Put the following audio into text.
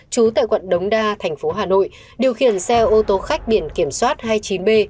trú tại quận đống đa thành phố hà nội điều khiển xe ô tô khách biển kiểm soát hai mươi chín b